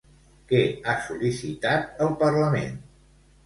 Què ha sol·licitat el Parlament?